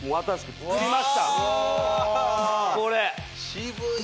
渋い。